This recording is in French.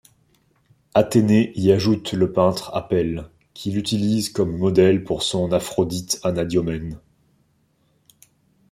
Athénée y ajoute le peintre Apelle, qui l'utilise comme modèle pour son Aphrodite Anadyomène.